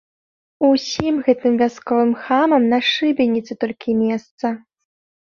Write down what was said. Усім гэтым вясковым хамам на шыбеніцы толькі месца!